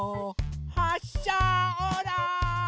はっしゃオーライ！